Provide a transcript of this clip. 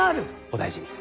お大事に。